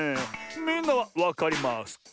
みんなはわかりますキャ？